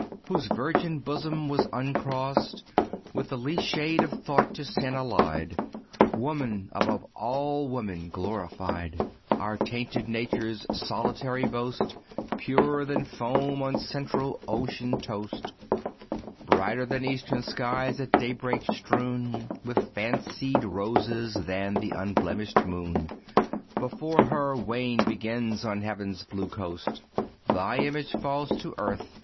whose virgin bosom was uncrossed With the least shade of thought to sin allied; Woman! above all women glorified, Our tainted nature's solitary boast; Purer than foam on central ocean tost, Brighter than eastern skies at daybreak strewn With fancied roses, than the unblemished moon Before her wane begins on heaven's blue coast, Thy image falls to earth.